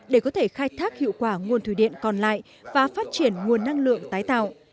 để có thể khai thác hiệu quả nguồn thủy điện còn lại và phát triển nguồn năng lượng tái tạo